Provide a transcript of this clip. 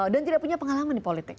dan tidak punya pengalaman di politik